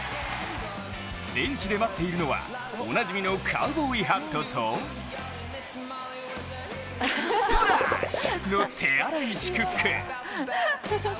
ベンチで待っているのは、おなじみのカウボーイハットと、スプラッシュの手荒い祝福。